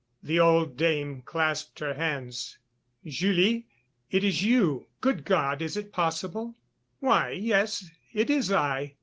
The old dame clasped her hands: "Julie!... It is you.... Good God! is it possible?..." "Why, yes, it is I.